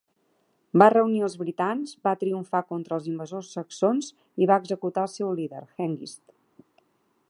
Va reunir els britans, va triomfar contra els invasors saxons i va executar el seu líder, Hengist.